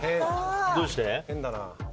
どうして？